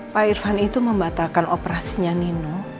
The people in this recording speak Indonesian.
pak irfan itu membatalkan operasinya nino